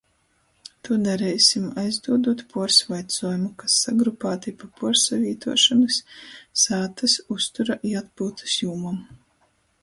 Tū dareisim, aizdūdūt puors vaicuojumu, kas sagrupāti pa puorsavītuošonys, sātys, uztura i atpyutys jūmom.